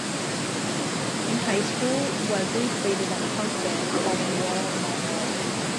In high school, Webley played in a punk band called Moral Minority.